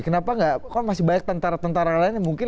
kenapa nggak kok masih banyak tentara tentara lain yang mungkin